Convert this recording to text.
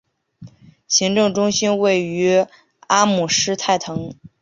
行政中心位于阿姆施泰滕。